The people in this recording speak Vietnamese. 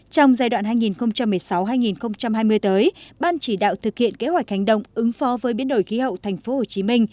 trong giai đoạn hai nghìn một mươi sáu hai nghìn hai mươi tới ban chỉ đạo thực hiện kế hoạch hành động ứng pho với biến đổi khí hậu tp hcm